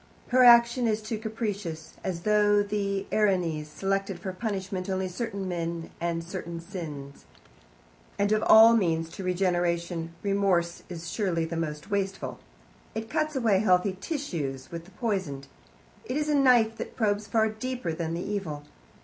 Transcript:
Her action is too capricious, as though the Erinyes selected for punishment only certain men and certain sins. And of all means to regeneration Remorse is surely the most wasteful. It cuts away healthy tissues with the poisoned. It is a knife that probes far deeper than the evil.